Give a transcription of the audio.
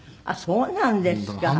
あっそうなんですか。